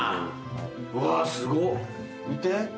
うわっすごっ見て。